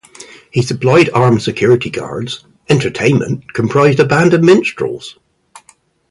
He supplied armed security guards, entertainment, comprising a band of minstrels.